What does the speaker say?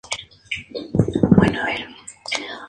Los mejores rivales: Nirvana, Dinosaur Jr.